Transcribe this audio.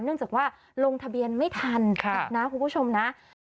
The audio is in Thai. เนื่องจากว่าลงทะเบียนไม่ทันนะคุณผู้ชมนะ